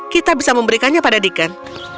kita bisa memberikannya pada deacon